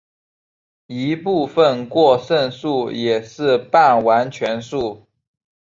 一部分过剩数也是半完全数。